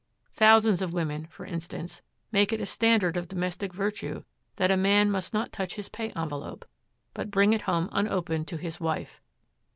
Thousands of women, for instance, make it a standard of domestic virtue that a man must not touch his pay envelope, but bring it home unopened to his wife.